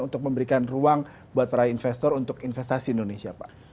untuk memberikan ruang buat para investor untuk investasi indonesia pak